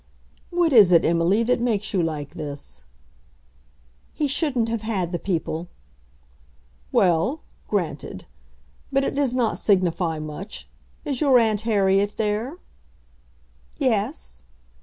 "What is it, Emily, that makes you like this?" "He shouldn't have had the people." "Well; granted. But it does not signify much. Is your aunt Harriet there?" "Yes."